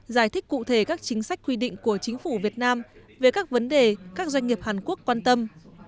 giải thích cụ thể các chính sách quy định của chính phủ việt nam về các vấn đề các doanh nghiệp hàn quốc quan tâm